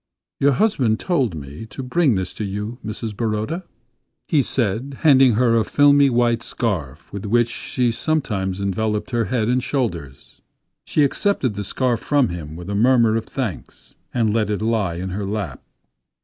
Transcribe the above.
"Your husband told me to bring this to you, Mrs. Baroda," he said, handing her a filmy, white scarf with which she sometimes enveloped her head and shoulders. She accepted the scarf from him with a murmur of thanks, and let it lie in her lap.